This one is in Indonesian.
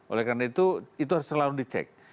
oleh karena itu harus selalu dicek